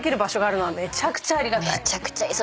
めちゃくちゃいい。